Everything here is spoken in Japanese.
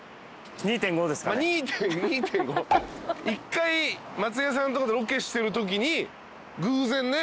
１回松也さんとかとロケしてるときに偶然ね。